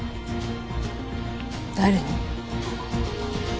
誰に？